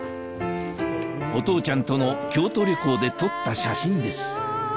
お父ちゃんとの京都旅行で撮った写真です